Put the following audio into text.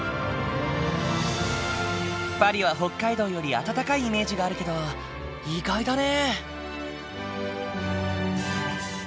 パリは北海道より暖かいイメージがあるけど意外だね。